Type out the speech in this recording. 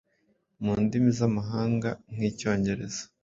mu ndimi z’amahanga nkicyongereza